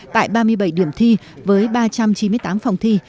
tại ba mươi bảy điểm thi với ba trăm chín mươi tám phòng thi